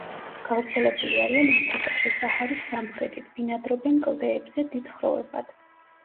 გავრცელებული არიან აფრიკაში, საჰარის სამხრეთით, ბინადრობენ კლდეებზე დიდ ხროვებად.